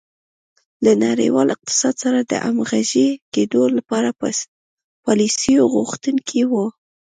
له نړیوال اقتصاد سره د همغږي کېدو لپاره پالیسیو غوښتونکې وه.